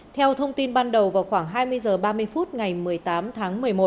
theo thông tin ban đầu vào khoảng hai mươi h ba mươi phút ngày một mươi tám tháng một mươi một